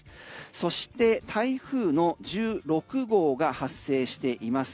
そして台風の中６号が発生しています。